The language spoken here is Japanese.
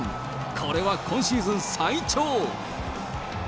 これは今シーズン最長。